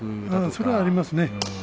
それはありますね。